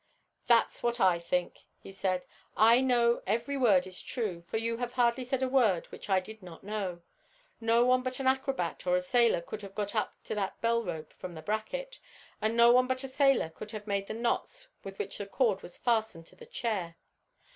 "That's what I think," said he. "I know that every word is true, for you have hardly said a word which I did not know. No one but an acrobat or a sailor could have got up to that bell rope from the bracket, and no one but a sailor could have made the knots with which the cord was fastened to the chair.